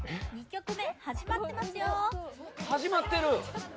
２曲目始まってますよ始まってる？